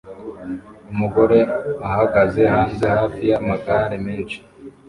Umugore ahagaze hanze hafi yamagare menshi